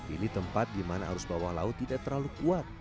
ini tempat di mana arus bawah laut tidak terlalu kuat